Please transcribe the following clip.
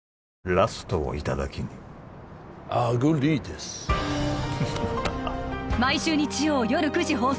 ラストをいただきにアグリーです毎週日曜夜９時放送